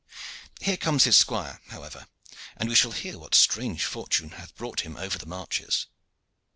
Here comes his squire, however, and we shall hear what strange fortune hath brought him over the marches."